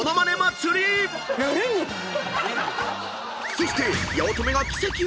［そして］